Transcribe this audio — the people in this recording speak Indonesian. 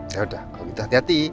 yaudah kalau gitu hati hati